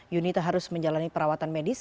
yunita harus menjalani perawatan medis